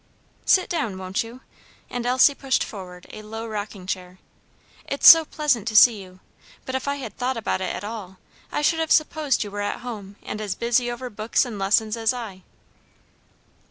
"Sit down, won't you?" and Elsie pushed forward a low rocking chair. "It's so pleasant to see you. But if I had thought about it at all I should have supposed you were at home, and as busy over books and lessons as I."